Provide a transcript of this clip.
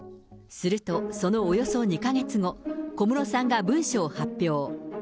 すると、そのおよそ２か月後、小室さんが文書を発表。